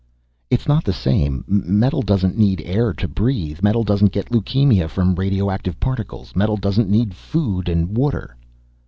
"It's not the same. Metal doesn't need air to breathe. Metal doesn't get leukemia from radioactive particles. Metal doesn't need food and water."